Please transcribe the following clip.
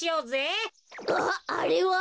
あっあれは？